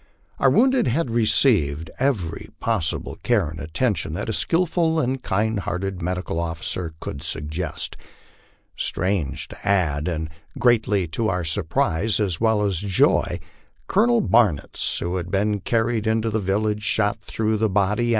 Our wounded had received every possible care and attention that a skilful and kind hearted medical oflicer could suggest. Strange to add, and greatly to our surprise as well as joy, Colonel Barnitz, who had been carried into the village shot through the body LIFE ON THE PLAINS.